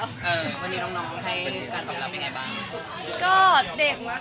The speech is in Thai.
วันนี้น้องให้การตอบรับยังไงบ้าง